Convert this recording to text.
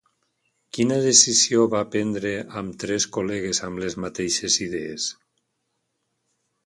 Quina decisió va prendre amb tres col·legues amb les mateixes idees?